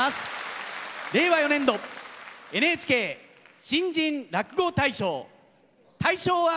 令和４年度「ＮＨＫ新人落語大賞」大賞は。